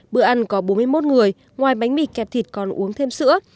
bữa ăn có bốn mươi một người ngoài bánh mì kẹp thịt còn uống thêm sữa